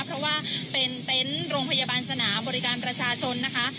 เพราะว่าเป็นเต็นต์โรงพยาบาลสนามบริการประชาชนนะคะ